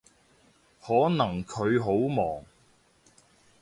可能佢好忙